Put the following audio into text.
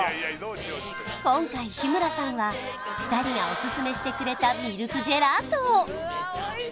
今回日村さんは２人がオススメしてくれたミルクジェラート